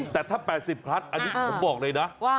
แต่ถ้า๘๐พลัสผมบอกเลยนะ